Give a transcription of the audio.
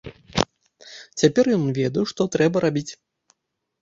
Цяпер ён ведаў, што трэба рабіць.